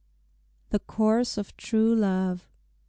THE COURSE OF TRUE LOVE.